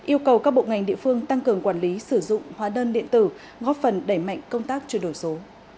yêu cầu các bộ ngành địa phương tăng cường quản lý sử dụng hóa đơn điện tử góp phần đẩy mạnh công tác chuyển đổi số